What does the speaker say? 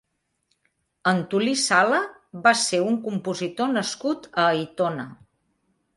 Antolí Sala va ser un compositor nascut a Aitona.